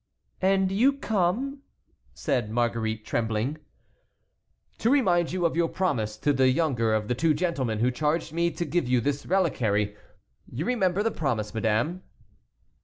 "And you come"—said Marguerite, trembling. "To remind you of your promise to the younger of the two gentlemen, who charged me to give you this reliquary. You remember the promise, madame?"